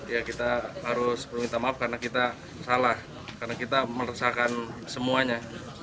ya kita harus meminta maaf karena kita salah karena kita meresahkan semuanya